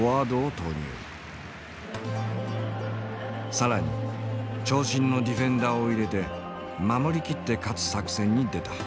更に長身のディフェンダーを入れて守り切って勝つ作戦に出た。